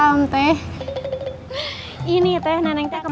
aku bekerja di tempat yang harusnya